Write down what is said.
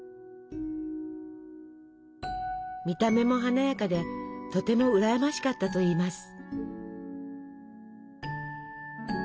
見た目も華やかでとてもうらやましかったといいます。